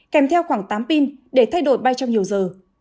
kèm theo khoảng tám pin để thay đổi bay trong nhiều giờ